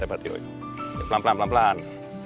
pelan pelan pelan pelan